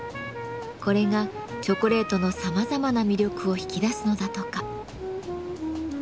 これがチョコレートのさまざまな魅力を引き出すのだとか。